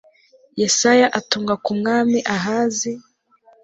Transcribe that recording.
Yesaya atumwa ku mwami Ahazi